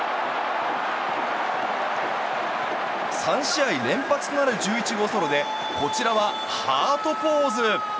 ３試合連発となる１１号ソロでこちらはハートポーズ。